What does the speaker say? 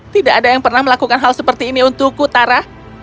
tidak ada yang pernah melakukan hal seperti ini untukku tara